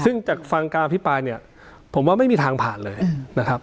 ซึ่งจากฟังการอภิปรายเนี่ยผมว่าไม่มีทางผ่านเลยนะครับ